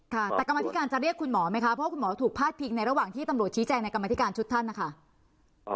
ค่ะแต่กรรมธิการจะเรียกคุณหมอไหมคะเพราะคุณหมอถูกพาดพิงในระหว่างที่ตำรวจชี้แจงในกรรมธิการชุดท่านนะคะ